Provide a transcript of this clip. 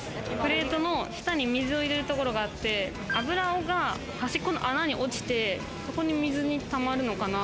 プレートの下に水を入れところがあって、脂が端っこの穴に落ちて、そこに水がたまるのかな。